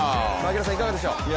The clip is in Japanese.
いかがでしょう？